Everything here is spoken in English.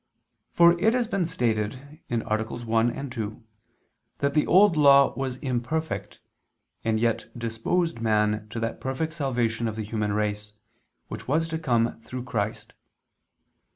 For it has been stated (AA. 1, 2) that the Old Law was imperfect, and yet disposed man to that perfect salvation of the human race, which was to come through Christ.